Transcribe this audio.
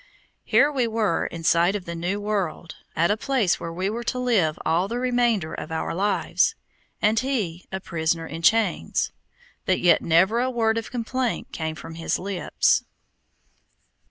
Here we were in sight of the new world, at a place where we were to live all the remainder of our lives, and he a prisoner in chains; but yet never a word of complaint came from his lips.